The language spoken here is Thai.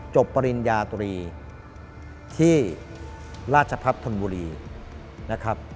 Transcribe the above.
ปริญญาตรีที่ราชพัฒนธนบุรีนะครับ